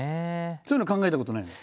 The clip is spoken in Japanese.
そういうのは考えたことないの？